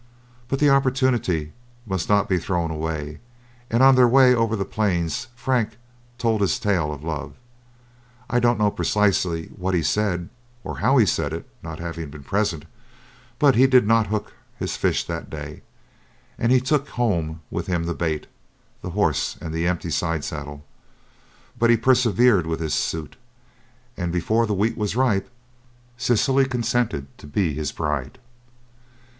But the opportunity must not be thrown away, and on their way over the plains Frank told his tale of love. I don't know precisely what he said or how he said it, not having been present, but he did not hook his fish that day, and he took home with him the bait, the horse, and the empty side saddle. But he persevered with his suit, and before the wheat was ripe, Cecily consented to be his bride.